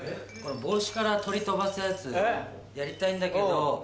帽子から鳥飛ばすやつやりたいんだけど。